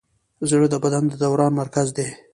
زړه د بدن د دوران مرکز دی.